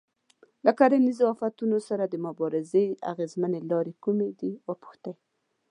له کرنیزو آفتونو سره د مبارزې اغېزمنې لارې کومې دي وپوښتئ.